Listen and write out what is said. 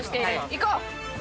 行こう！